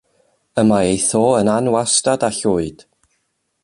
Y mae ei tho yn anwastad a llwyd.